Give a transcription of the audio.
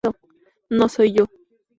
No soy yo.